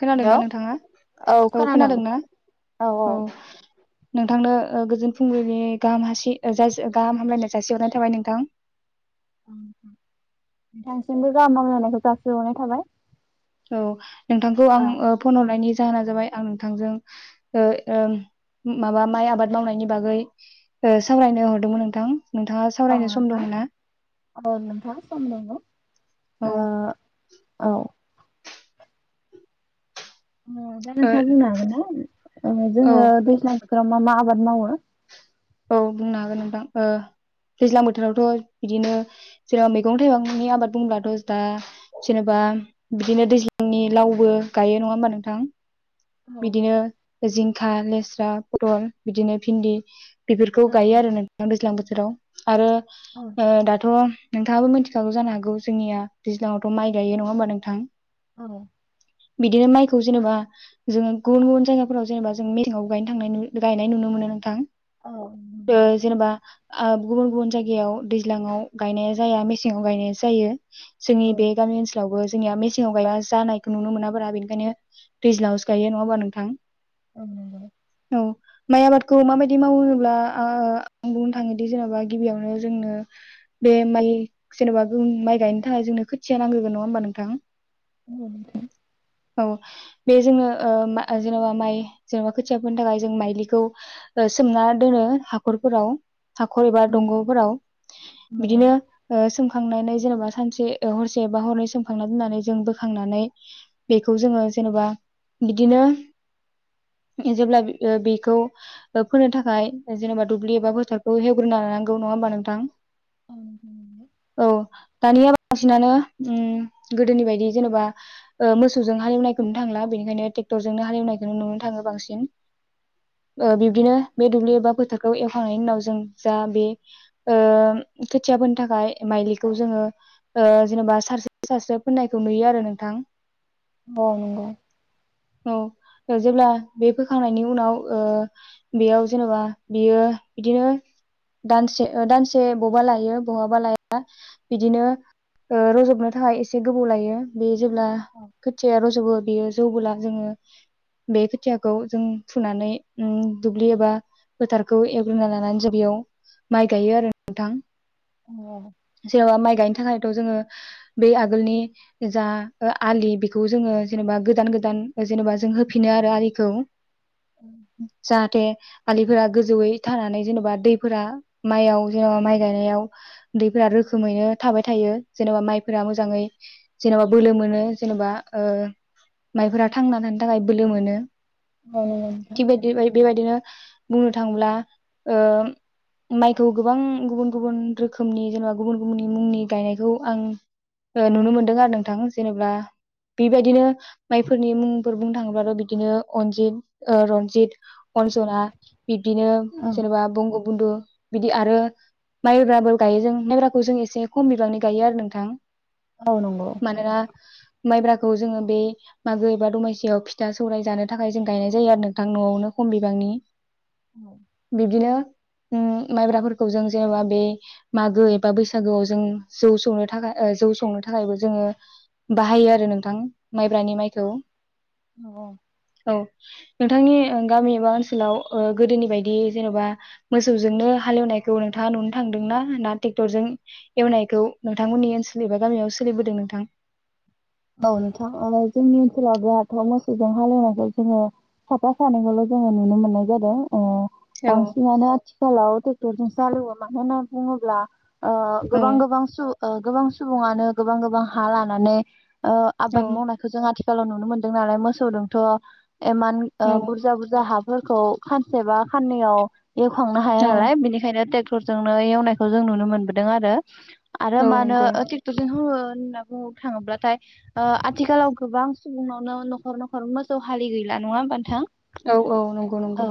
खोनादों हेलौ ना नोंथाङा? औ खोनादों ना? औ। नोंथांनो ओ गोजोन फुंबिलिनि गाहाम हासि जासि गाहाम हामलायनाय जासिहरनाय थाबाय नोंथां। [unintelligible] बो गाहाम हामलायनायखो जासिहरनाय थाबाय। औ नोंथांखौ औ आं ओ फन हरनायनि जाहोना जाबाय आं नोंथांजों ओ ओ माबा माइ आबाद मावनायनि बागै ओ सावरायनो हरदोंमोन नोंथां। नोंथाङा औ सावरायनो सम नोंथां दंना अ नोंथां सम दङ' ना औ ओ अ ओ दा नोंथाङा बुंनो हागोन ना? ओ औ जोङो दैज्लां बो मा मा आबाद मावो? औ बुंनो हागोन नोंथां। ओ दैज्लां बोथोरावथ' बिदिनो जेनेबा मैगं थाइगंनि आबाद बुंब्लाथ' दा जेनेबा बिदिनो दैज्लांनि लावबो गायो नङा होमबा नोंथां? औ बिदिनो जिंखा लेस्रा पटल बिदिनो भिन्दि बेफोरखौ औ गायो आरो नोंथां दैज्लां बोथोराव आरो औ ओ दाथ' नोंथाङाबो मिथिखागौ जानो हागौ जोंनिया दैज्लाङावथ' माइ गायो नङा होमबा नोंथां। औ बिदिनो माइखौ जेनेबा जोङो गुबुन गुबुन जायगाफोराव जेनेबा जों मेंसेङावबो गाय गायनाय नुनो मोनो नोंथां। औ ओ जेनेबा ओ गुबुन गुबुन जायगायाव दैज्लाङाव गायनाया जाया मेसेंआव गायनाया जायो। जोंनि औ बे गामि ओनसोल जोंनि मसे जानायखौ नुनो मोना बारा बेखायनो दैज्लाङावसो गायो नङाबा नोंथां? औ नंगौ औ माइ आबादखौ माबायदि माव होनोब्ला आं ओ बुंनो थाङोदि जेनेबा गिबियावनो जोंनो बे माइ जेनेबा गुबुन माइ गायनो थाखाय जोंनो खोथिया नांग्रोगोन नङा होमबा नोंथां? [unintelligible] औ बे जोङो । ओ मा जेनेबा माइ जेनेबा खोथियाफोरनि थाखाय जों माइलिखौ सोमना दोनो हाखरफोराव। हाखर एबा औ दंग'फोराव औ औ बिदिनो ओ सोमखांनानै । जेनेबा सानसे हरसे एबा हरनै सोमखांना दोननानै जों बोखांनानै बेखौ जोङो जेनेबा बिदिनो [inaudible] जेब्ला ओ बेखौ ओ फोनो थाखाय जेनेबा दुब्लि एबा फोथारखौ हेवग्रोना लानांगौ नङा होमबा नोंथां? औ नंगौ [inaudible] औ दानिया बांसिनानो उम गोदोनि बायदि जेनेबा ओ मोसौजों हालेवनायखौ नुनो थांला। बेनिखायनो ट्रेक्टरजोंनो हालेवनायखौनो नुनो थाङो बांसिन। ओ बिब्दिनो बे दुब्लि एबा फोथार एवखांनायनि उनाव जों जा बे ओ खोथिया फोनो थाखाय माइलिखौ जोङो जेनेबा सारस- सारसो फोननायखौ नुयो आरो नोंथां। अ नंगौ। औ जेब्ला बे फोखांनायनि उनाव ओ बेयाव जेनेबा बियो बिदिनो दानसे ओ दानसे बबा लायो बहाबा लाया बिदिनो ओ रजबनो थाखाय एसे गोबाव लायो। बे जेब्ला औ खोथिया रजबो बियो जौबोला जोङो, बे खोथियाखौ जों फुनानै ओम दुब्लि एबा फोथारखौ एवग्रोनना लानानै जों बेयाव माइ गायो आरो नोंथां। औ [inaudible] जियाबा माइ गाय थाखायथ' जोङो बे आगोलनि जा आलि बेखौ जोङो जेनेबा गोथ गोजान गोजान जेनेबा जों होफिनो आरो आलिखौ [inaudible] जाहाथे आलिफोरा गोजौयै थानानै जेन'बा दैफोरा माइयाव जेनबा माइ गायनायाव दैफोरा रोखोमैनो थाबाय थायो। जेनबा माइफोरा मोजाङै जेनबा बोलो मोनो जेनबा ओ माइफोरा थांना थानो थाखाय बोलो मोनो। औ नंगौ [inaudible] नोंथां थिग बायदि बेबायदिनो बुंनो थाङोब्ला ओ, माइखौ गोबां गुबुन गुबुन रोखोमनि जेनेबा गुबुन गुबुननि मुंनि गायनायखौ आं ओ नुनो मोनदों आरो नोंथां जेनेबा बेबायदिनो माइफोरनि मुंफोर बुंनो थाङोबाथ' बिदिनो अनजित ओ रनजित, अनजना बिबदिनो औ जेनेबा बंग बुन्दु बिदि आरो माइब्राबो गायो जों माइब्राखौ जों एसे खम बिबांनि गायो आरो नोंथां। औ नंगौ मानोना माइब्रा खौ जोङो बे मागो एबा दमासियाव फिथा सौराय जानो थाखाय जों गायनाय जायो आरो नोंथां न'आवनो खम बिबांनि। [inaudible] बिदिनो ओम माइब्राफोरखौ जों जेनबा बे मागो एबा बैसागोआव जों जौ सौनो ओ जौ थाखाय ओ जौ संनो थाखायबो जोङो बाहायो आरो नोंथां माइब्रानि माइ औ। नंगौ। औ नोंथांनि ओ गामि एबा ओ ओनसोलाव जेनबा मोसौजोंनो हालौनायखौ नोंथाङा नुनोथांदों ना? ना टेकतरजों एवनायखौ नोंथां मोननि ओनसोल एबा गामियाव सोलिबोदों नोंथां? औ नोंथां ओ जोंनि ओनसोलाव बे हाथाव मोसौजों हालेवनायखौ जोङो साफा सानैखौल' जोङो नुनो मोननाय जादों। अ औ बांसिनानो आथिखालाव टेकतरजों [inaudible] मा होना बुङोब्ला ओ औ गोबां गोबां सु ओ गोबां सुबङानो गोबां गोबां हा लानानै। ओ औ आबाद मावनायखौ जों आथि सोलाव नुनो मोन्दों नालाय मोसौदोंथ' एमान ओ औ बुरजा बुरजा हाब फोरखौ खानसेबा खाननैयाव एवखांनो हाया औ नालाय बिनिखायनो टेक फोरजोंनो एवनायखौ जों नुनो मोनबोदों आरो। आरो औ मानो नंगौ ओ टेकथर जों होवो। होना बुङो थाङोब्लाथाय ओ आथिखालाव गोबां सुबुंनावनो न'खर न'खर मोसौ हालि गैला नङा ओमबा नोंथां। औ औ नंगौ नंगौ।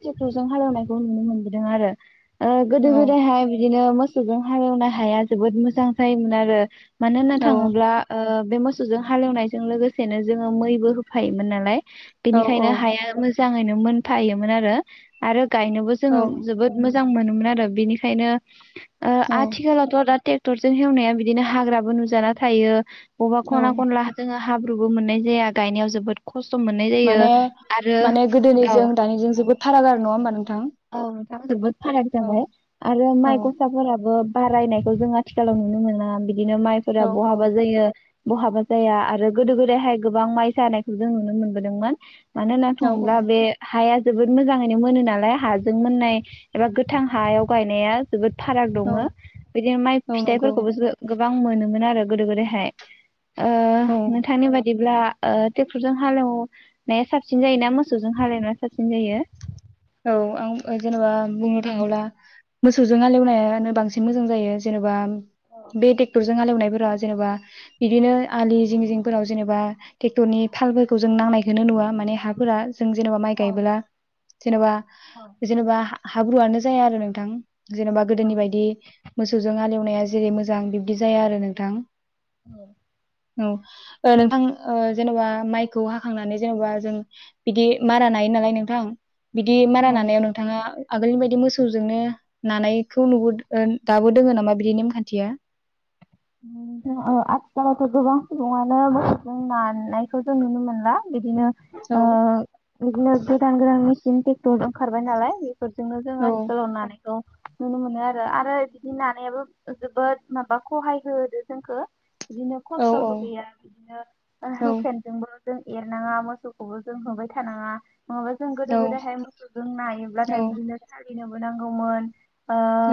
टेकटर जों हालेवनायखौ नुनो मोनबोदों आरो। ओ गोदो औ गोदायहाय बिदिनो मोसौजों हालेवनाय हाया जोबोद मोजां जायोमोन आरो। मानो होना औ थाङोब्ला ओ बे मोसौजों हालेवनायजों लोगोसेनो जोङो मैबो होफायोमोन नालाय। बिनिखायनो हाया मोज जाङैनो मोनफायोमोन आरो। आरो गायनोबो औ जोङो जोबोद मोज जां मोनोमोन आरो बिनिखायनो ओ औ आथिखालावथ' दा टेक टरजों हेवनाया बिदिनो हाग्राबो नुजाना थायो। बबा औ खना खनला हा जों आ हाब्रुबो मोननाय जाया गायनायाव जोबोद ख माने माने औ गोदोनिजों दानिजों जोबोद फाराग आरो नङा होमबा नोंथां। [unintelligible] फाराग औ जाबाय आरो औ माइ ग'साफोराबो बारायनायखौ जों आथिखालाव नुनो मोना बि दिनो औ माइफोरा बहाबा औ जायो। बहाबा जाया आरो गोदो गोदायहाय गोबां माइ जानायखौ जों नुनो मोनबोदोंमोन। मानो होनना औ थङोब्ला बे हाया जोबोद मोजाङैनो मोनो नालाय हाजों मोननाय एबा गोथां हायाव गायनाया जोबोद फाराग औ दङो बिदिनो माइ औ नंगौ फिथाइफोरखौबो जो गोब गोबां मोनोमोन आरो गोदो गोदायहाय। ओ औ नोंथांनि बादिब्ला ओ टेक्टरजों हालेवनाया साबसिन जायोना मोसौजों हालेवनाया साबसिन जायो औ आं जेनेबा बुंनो थाङोब्ला मोसौजों हालेवनायानो बांसिन मोजां जायो जेनेबा बे टेक्टर जों हाल एवनायफोरा जेनेबा इदिनो आलि जिं जिंफोराव जेनेबा टेक्टरनि फालफोरखौ जों नांनायखोनो नुवा माने हाफोरा जों जेनेबा माइ गायबोला जेनेबा जेनेबा हाब्रुआनो जाया आरो नोंथां जेनेबा गोदोनि बायदि मोसौजों हालेवनाया जेरै मोजां बिबदि जाया आरो नोंथां औ औ ओ नोंथां ओ जेन'बा माइखौ हाखांनानै जेन'बा जों बिदि मारा नायो नालाय नोंथां बिदि मारा औ नानायाव नोंथाङा आगोलनि बायदि मोसौजोंनो नानायखौ नुबो ओ दाबो दोङो नामा बिदि नेमखान्थिया आथिखालावथ' गोबां सुबुङानो मोसौजों नानायखौ जों नुनो मोनला बिदिनो औ ओ बिदिनो गोदान-गोदान इदिनो टेक्टर ओंखारबाय नालाय फोरजोंनो जों औ आथिखालाव नानायखौ नुनो मोनो आरो आरो बिदि नानायाबो जोबोद माबा खहाय सो होदो जोंखो बिदिनो औ औ खस्थ'बो गैया बिदिनो औ हुकेनजोंबो जों एरनाङा मोसौखौबो जों होबाय थानाङा नङाबा जों गोदो औ गोदायहाय मोसौजों नायोब्लाथाय बिदिनो गिनोबो नांगौमोन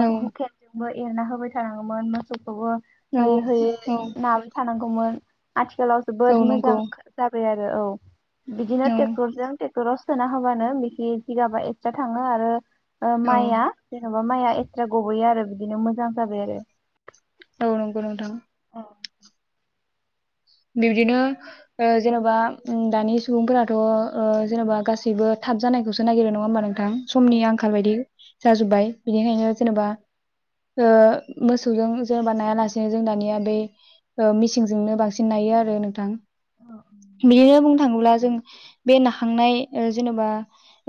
औ [unintelligible] एरना होबाय थानाङोमोन मोसौखौबो औ होयै होयै औ नाबाय थानां गौमोन। आथिखालाव औ जोबोद मोजां नंगौ जाबाय आरो औ बिदिनो औ टेक्टरजों टेक्टराव सोना होबानो मिहि जिगाबा एक्सट्रा थाङो आरो ओ औ माइया माबा माइआ एक्सट्रा गबयो आरो बिदिनो मोजां जाबाय आरो। औ नंगौ नोंथां। बिबदिनो जेनेबा दानि सुबुंफोराथ ओ जेनेबा गासैबो थाब जानायखौसो नागिरो नङा होमबा नों थां समनि आंखाल बायदि जाजोबबाय बिनिखायनो जेनेबा ओ मोसौजों जेनेबा नायालासेनो जों दानिया बै मिसिनजोंनो बां सिन नायो आरो नोंथां। बियो बुंनो थाङोब्ला जों बे नाहांनाय ओ जेनेबा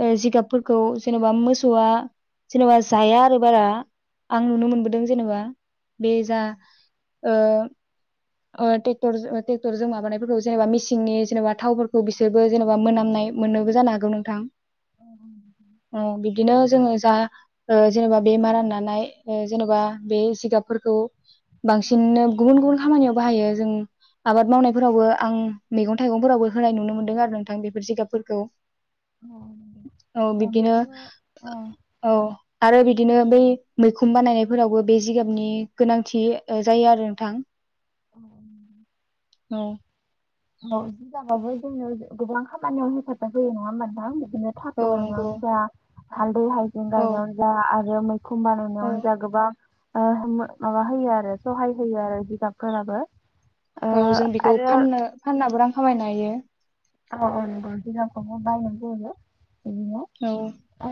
ओ जिगाबफोरखौ जेनेबा मोसौआ जेनेबा जाया आरो बारा। आं नुनो मोनबोदों जेनेबा बे जा ओ ओ ट्रेक्टर ट्रेक्टरजों माबानायफोरखौ जेनेबा मिसिननि जेनेबा थावफोरखौ बिसोर बो जेनेबा मोनामनाय मोनो जानो हागौ नोंथां। ओ बिदिनो [inaudible] जोङो जा ओ जेनेबा बे मारा नानाय जेनबा बे जिगाबफोरखौ बांसिननो गुबुन गुबुन खामानियाव बाहायो जों आबाद मावनायफोरावबो आं मैगं थाइगंफोरावबो होनाय नुनो मोन्दों आरो नोंथां बेफोर जिगाबफोरखौ। अ औ अ बिब्दिनो बिदिनो अ औ आरो बिदिनो बै मैखुन बानायनायफोरावबो बे जिगाबनि गोनांथि जायो आरो नोंथां। [inaudible] औ औ जिगाबाबो जोंनो गोबां खामानियाव हेफाजाब होयो नङा होनबा नोंथां? बिनो औ नंगौ औ [unintelligible] जा [unintelligible] [unintelligible] [unintelligible] खमा औ रुनायावनो जागोबां ओ मो माबा होयो आरो सहाय होयो आरो जिगाबफोराबो ओ औ जों बेखौ आरो फाननो फाननबो रां खामायनो हायो [unintelligible] औ ओ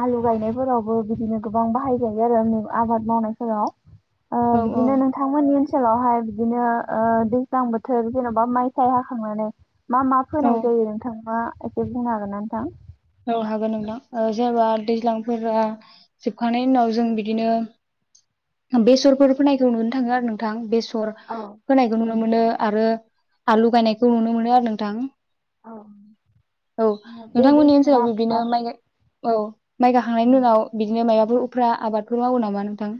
आलु गायनायफोरावबो बिदिनो गोबां बाहाय जायो आरो नै आबाद मावनायफोराव ओ औ औ बिदिनो नोंथांमोननि ओनसोलावहाय बिदिनो ओ दैज्लां बोथोर जेन'बा माइ साइ हाखांनानै मा मा औ फोनाय जायो नोंथांङा एसे बुंनो हागोन ना नोंथां? औ हागोन नोंथां ओ जेबा दैज्लांफोरा जोबखांनायनि उनाव जों बिदिनो बेसरफोर फोनायखौ नुनो थाङो आरो नोंथां बेसर हर होनायखौ नुनो मोन नुनो मोनो आरो आलु गायनायखौ नुनो मोनो आरो नोंथां औ बे नोंथांमोननि ओनस याव बेसरा बिब्दिनो ओ माइ गाय औ माइ औ गाखांनायनि उनाव बिदिनो मायब ओ उफ्रा आबादफोर मावो नामा नोंथां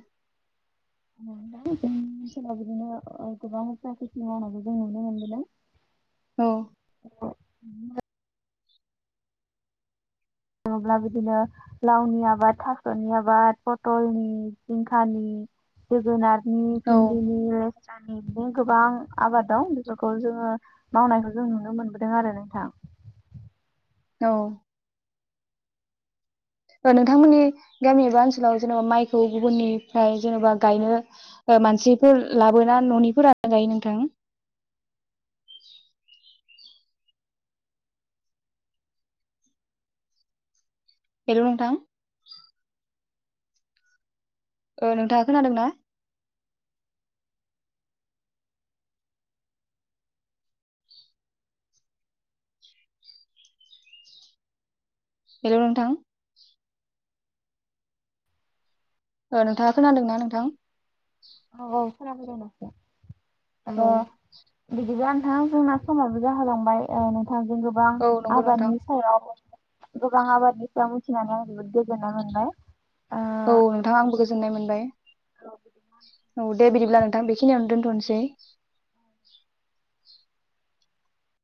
[unintelligible] ओ गोबां जा किति मावनायखौ जों नुनो मोनबोदों औ थाङोब्ला बिदिनो लावनि आबाद थास'नि आबाद पटलनि जिंखानि जोगोनार नि औ फिन्दिनियो जानि बिदिनो गोबां आबाद दं बेफोरखौ जोङो मावनायखौ जों नुनो मोनबोदों आरो नोंथां। औ ओ नोंथांमोननि गामि एबा ओनसोलाव जेनबा माइखौ गुबुननिफ्राय जेनबा गायनो ओ मानसिफोर लाबोना न'निफोरा नो गायो नोंथां? हेलौ नोंथां ओ नोंथाङा खोनादोंना? हेलौ नोंथां ओ नोंथाङा खोनादोंना नोंथां? औ औ [unintelligible] औ आब' बिदिबा नोंथां जोंना समाबो जाहोलांबाय ओ नों थांजों गोबां औ नंगौ नोंथां आबादनि सायाव गोबां आबादनि सायाव मिथिनानै आं जोबोद गोजोननाय मोनबाय दा औ नोंथां आंबो गोजोननाय मोनबाय औ दे बिदिब्ला नोंथां बेखिनियावनो दोनथ'नसै। [inaudible]